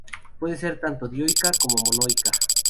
Puede ser tanto dioica como monoica.